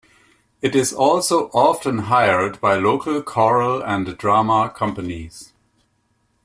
It is also often hired by local choral and drama companies.